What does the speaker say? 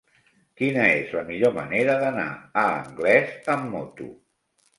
Quina és la millor manera d'anar a Anglès amb moto?